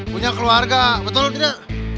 punya keluarga betul tidak